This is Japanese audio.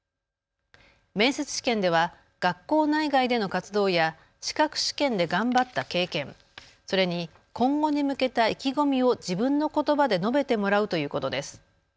面接試験では学校内外での活動や資格試験で頑張った経験、それに今後に向けた意気込みを自分のことばで述べてもらうということです。